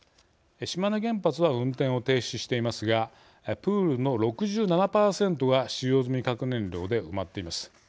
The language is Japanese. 島根原発は運転を停止していますがプールの６７％が使用済み核燃料で埋まっています。